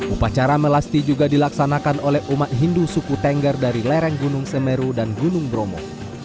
upacara melasti juga dilaksanakan oleh umat hindu suku tengger dari lereng gunung semeru dan gunung bromo